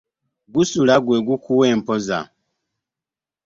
Gusula gwe gukuwa empoza .